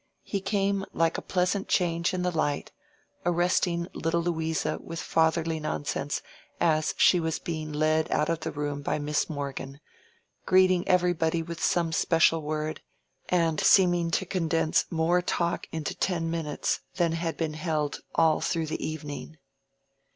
He came like a pleasant change in the light, arresting little Louisa with fatherly nonsense as she was being led out of the room by Miss Morgan, greeting everybody with some special word, and seeming to condense more talk into ten minutes than had been held all through the evening.